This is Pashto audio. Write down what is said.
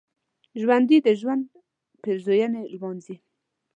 ژوندي د ژوند پېرزوینې لمانځي